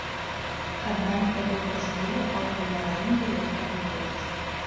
Аднак гэтую працэдуру аўтаўладальнікі лёгка абыходзяць.